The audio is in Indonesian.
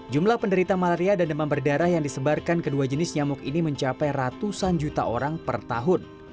jumlah penderita malaria dan demam berdarah yang disebarkan kedua jenis nyamuk ini mencapai ratusan juta orang per tahun